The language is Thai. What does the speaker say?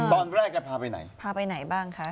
ตอนแรกพาไปไหนบ้างคะ